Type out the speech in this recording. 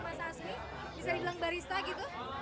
bisa dibilang barista gitu